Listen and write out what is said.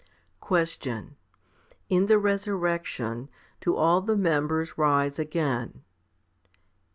10. Question. In the resurrection do all the members rise again?